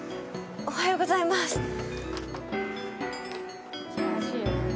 おはようございます。